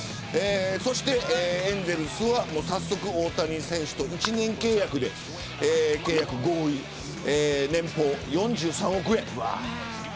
そしてエンゼルスは早速、大谷選手と１年契約で契約合意、年俸４３億円です。